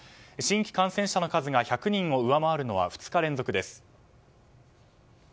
新規感染者の数が１００人を上回るのは２日連続です。